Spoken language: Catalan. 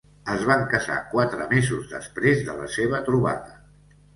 Es van casar quatre mesos després de la seva trobada.